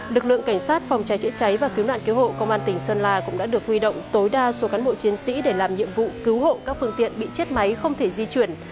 lực lượng cảnh sát phòng cháy chữa cháy và cứu nạn cứu hộ công an tỉnh sơn la cũng đã được huy động tối đa số cán bộ chiến sĩ để làm nhiệm vụ cứu hộ các phương tiện bị chết máy không thể di chuyển